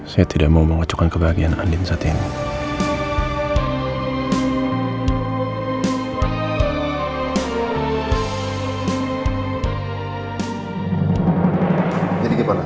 saya tidak mau mengacukan kebahagiaan andin saat ini